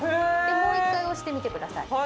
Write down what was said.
もう一回押してみてください。